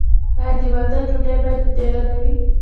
آیا د واده ډوډۍ باید ډیره نه وي؟